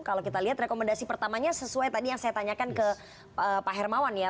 kalau kita lihat rekomendasi pertamanya sesuai tadi yang saya tanyakan ke pak hermawan ya